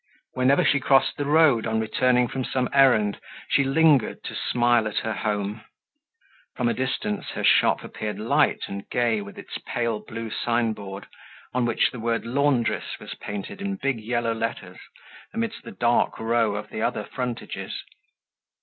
Whenever she crossed the road on returning from some errand, she lingered to smile at her home. From a distance her shop appeared light and gay with its pale blue signboard, on which the word "Laundress" was painted in big yellow letters, amidst the dark row of the other frontages.